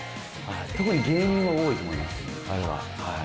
特に芸人は多いと思いますあれは。